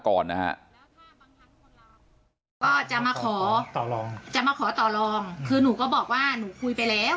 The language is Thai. ก็จะมาขอต่อรองคือหนูก็บอกว่าหนูคุยไปแล้ว